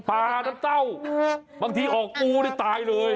ปาน้ำเต้าบางทีออกปูจริงเลย